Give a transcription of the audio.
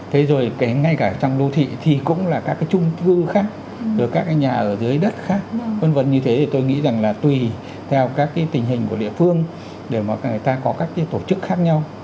thế rồi kể ngay cả trong đô thị thì cũng là các cái trung cư khác rồi các cái nhà ở dưới đất khác v v như thế thì tôi nghĩ rằng là tùy theo các cái tình hình của địa phương để mà người ta có các cái tổ chức khác nhau